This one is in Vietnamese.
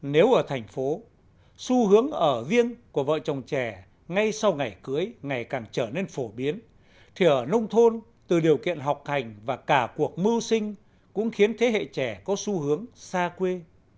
nếu ở thành phố xu hướng ở riêng của vợ chồng trẻ ngay sau ngày cưới ngày càng trở nên phổ biến thì ở nông thôn từ điều kiện học hành và cả cuộc mưu sinh cũng khiến thế hệ trẻ có xu hướng xa quê